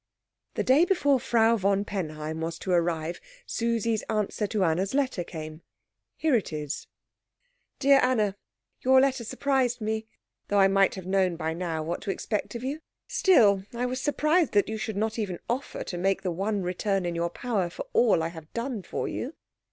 The day before Frau von Penheim was to arrive, Susie's answer to Anna's letter came. Here it is: "DEAR ANNA, Your letter surprised me, though I might have known by now what to expect of you. Still, I was surprised that you should not even offer to make the one return in your power for all I have done for you.